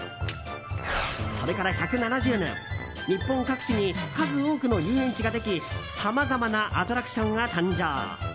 それから１７０年日本各地に数多くの遊園地ができさまざまなアトラクションが誕生。